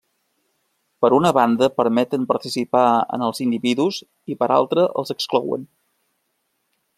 Per una banda permeten participar en els individus i per altra els exclouen.